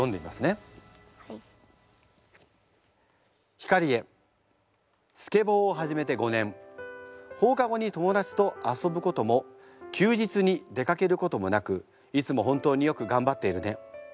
「晃へスケボーを始めて５年放課後に友達と遊ぶことも休日に出かけることもなくいつも本当によく頑張っているね。